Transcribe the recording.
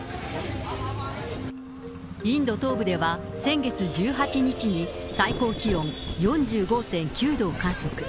インド東部では、先月１８日に、最高気温４５．９度を観測。